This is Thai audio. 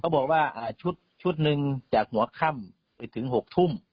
เขาบอกว่าชุดชุดนึงจากหมอค่ำไปถึงหกทุ่ม